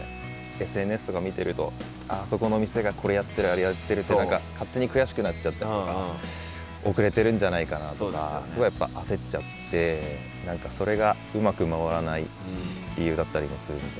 ＳＮＳとか見てるとあそこのお店がこれやってるあれやってるって何か勝手に悔しくなっちゃったりとか遅れてるんじゃないかなとかすごいやっぱ焦っちゃってそれがうまく回らない理由だったりもするんで。